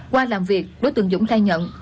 qua làm việc đối tượng dũng thay nhận